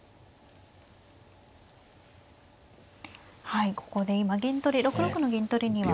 はいここで今銀取り６六の銀取りには。